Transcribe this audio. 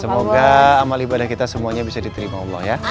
semoga amal ibadah kita menjadi terima allah ya